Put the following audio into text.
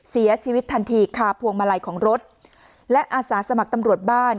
เสียชีวิตทันทีคาพวงมาลัยของรถและอาสาสมัครตำรวจบ้าน